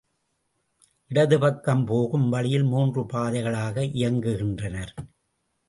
இடது பக்கம் போகும் வழியில் மூன்று பாதைகளாக இயங்குகின்றனர்.